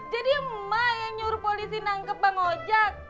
jadi emak yang nyuruh polisi nangkep bang ojak